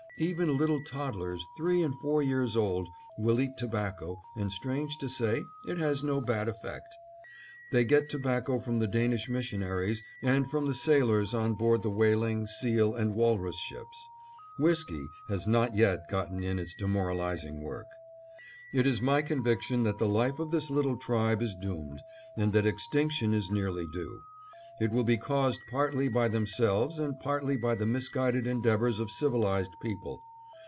Even little toddlers, three and four years old, will eat tobacco and, strange to say, it has no bad effect. They get tobacco from the Danish missionaries and from the sailors on board the whaling, seal, and walrus ships. Whisky has not yet gotten in its demoralizing work. It is my conviction that the life of this little tribe is doomed, and that extinction is nearly due. It will be caused partly by themselves, and partly by the misguided endeavors of civilized people.